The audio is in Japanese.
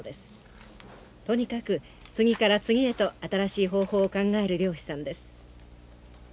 とにかく次から次へと新しい方法を考える漁師さんです。